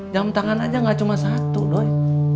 jam tangan aja gak cuma satu doain